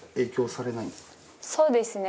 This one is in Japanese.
そうですね。